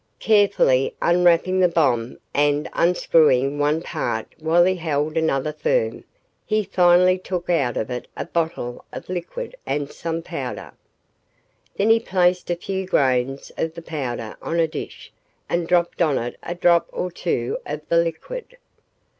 Carefully unwrapping the bomb and unscrewing one part while he held another firm, he finally took out of it a bottle of liquid and some powder. Then he placed a few grains of the powder on a dish and dropped on it a drop or two of the liquid.